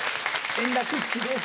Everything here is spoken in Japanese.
円楽っちです。